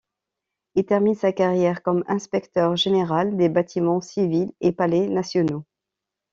Il termine sa carrière comme inspecteur-général des Bâtiments civils et Palais nationaux.